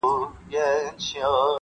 • ریښتیا زوال نه لري -